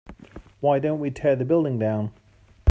why don't we tear the building down?